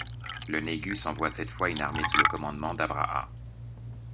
Le négus envoie cette fois une armée sous le commandement d'Abraha.